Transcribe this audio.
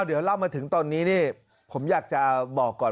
เดี๋ยวเล่ามาถึงตอนนี้นี่ผมอยากจะบอกก่อน